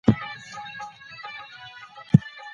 فارابي موږ ته سمه لار ښودلې ده.